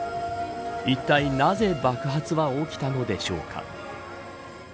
いったいなぜ爆発は起きたのでしょうか。